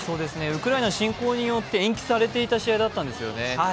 ウクライナ侵攻によって延期されていた試合だったんですよね。